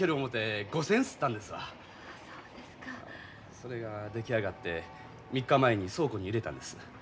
それが出来上がって３日前に倉庫に入れたんです。